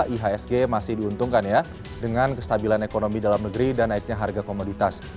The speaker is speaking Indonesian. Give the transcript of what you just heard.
ihsg masih diuntungkan ya dengan kestabilan ekonomi dalam negeri dan naiknya harga komoditas